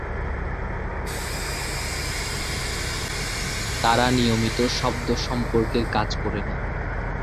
তারা নিয়মিত শব্দ সম্পর্কের কাজ করেনি।